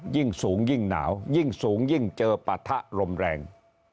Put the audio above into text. ยิ่งสูงยิ่งหนาวยิ่งสูงยิ่งเจอปะทะลมแรง